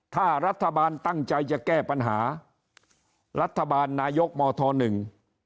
ถ้ารัฐบาลตั้งใจจะแก้ปัญหารัฐบาลนายกมธหนึ่ง